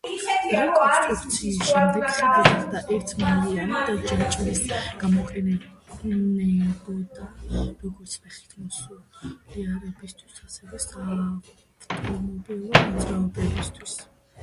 რეკონსტრუქციის შემდეგ ხიდი გახდა ერთმალიანი და ჯაჭვის, გამოიყენებოდა როგორც ფეხით მოსიარულეებისათვის ასევე საავტომობილო მოძრაობისათვის.